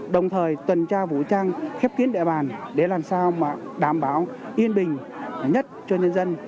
đồng thời tuần tra vũ trang khép kín địa bàn để làm sao đảm bảo yên bình nhất cho nhân dân